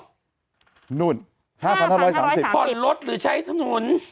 โอ้โฮนู่น๕๕๓๐บาทพ่อนรถหรือใช้ถนน